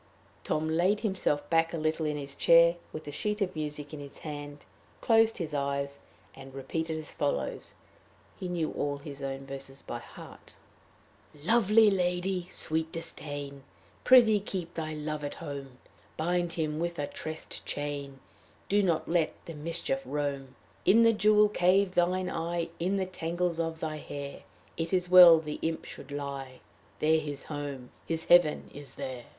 Tom laid himself back a little in his chair, with the sheet of music in his hand, closed his eyes, and repeated as follows he knew all his own verses by heart: "Lovely lady, sweet disdain! Prithee keep thy Love at home; Bind him with a tressed chain; Do not let the mischief roam. "In the jewel cave, thine eye, In the tangles of thy hair, It is well the imp should lie There his home, his heaven is there.